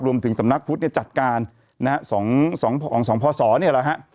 รวมถึงสำนักพุทธเนี้ยจัดการนะฮะสองสองของสองพ่อศรเนี้ยแหละฮะ